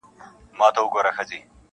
زه له ټولو سره خپل د هیچا نه یم-